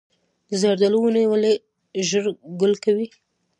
د زردالو ونې ولې ژر ګل کوي؟